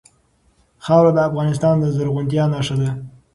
خاوره د افغانستان د زرغونتیا نښه ده.